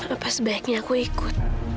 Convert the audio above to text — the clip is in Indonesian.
apa sebaiknya aku ikut